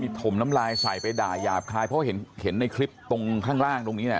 ถมน้ำลายใส่ไปด่ายาบคายเพราะเห็นในคลิปตรงข้างล่างตรงนี้แหละ